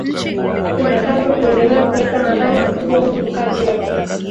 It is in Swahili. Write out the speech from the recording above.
kinatajwa kuendelea kuleta madhara makubwa huku kazi yake